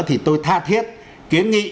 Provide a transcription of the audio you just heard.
thì tôi tha thiết kiến nghị